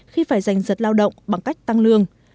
khi phải giành giật lao động bằng cách tăng lương